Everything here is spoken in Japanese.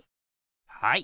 はい。